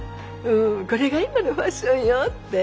これが今のファッションよって。